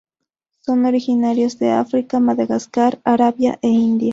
Son originarias de África, Madagascar, Arabia e India.